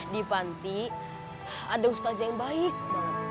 di panti ada ustadz yang baik banget